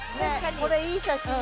これいい写真だよ。